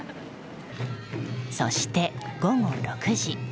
そして、午後６時。